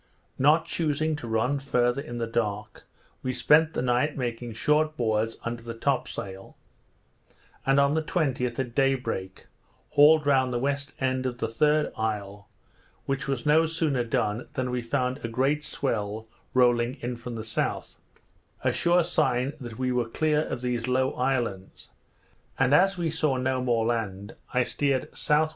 Not chusing to run farther in the dark, we spent the night making short boards under the top sail; and on the 20th, at day break, hauled round the west end of the third isle, which was no sooner done than we found a great swell rolling in from the south; a sure sign that we were clear of these low islands; and as we saw no more land, I steered S.W.